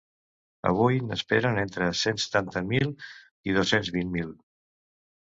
Avui n’esperen entre cent setanta mil i dos-cents vint mil.